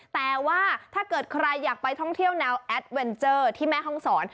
แต่ว่าถ้าเกิดใครอยากไปท่องเที่ยวแนวแอดเวนเจอร์ที่แม่ห้องศร